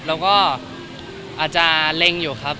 แล้วก็อาจจะเล็งอยู่ครับ